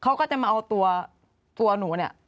เขาก็จะมาเอาตัวหนูเนี่ย